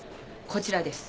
こちらです。